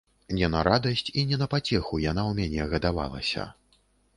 Не на радасць і не на пацеху яна ў мяне гадавалася.